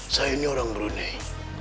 saya ini orang brunei